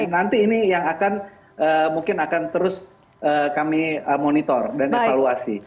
nanti ini yang akan mungkin akan terus kami monitor dan evaluasi